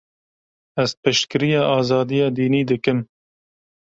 Ez piştgiriya azadiya dînî dikim.